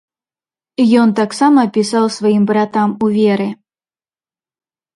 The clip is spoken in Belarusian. Ён таксама пісаў сваім братам у веры.